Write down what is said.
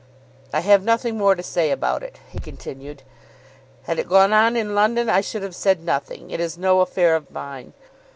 "I have nothing more to say about it," he continued. "Had it gone on in London I should have said nothing. It is no affair of mine.